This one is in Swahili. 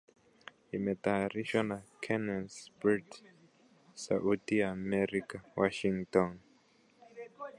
Imetayarishwa na Kennes Bwire sauti ya Amerika Washington